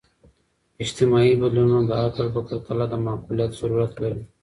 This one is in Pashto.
اجتماعي بدلونونه د عقل په پرتله د معقولیت ضرورت لري.